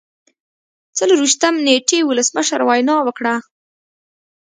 څلور ویشتم نیټې ولسمشر وینا وکړه.